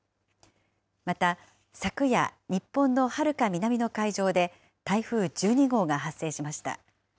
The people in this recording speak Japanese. また、昨夜、日本のはるか南の海上で台風１２号が発生しました。